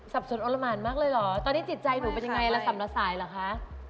สนอนละหมานมากเลยเหรอตอนนี้จิตใจหนูเป็นยังไงละสำละสายเหรอคะ